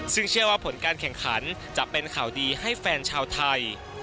ซึ่งเชื่อว่าผลการแข่งขันจะเป็นข่าวดีให้แฟนชาวไทย